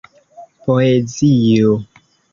poezio